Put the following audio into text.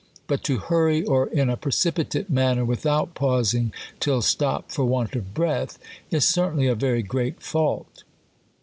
But to hurry or in a precipitate manner without pausing, till stopped foi want of breath, is certainly a very great fault.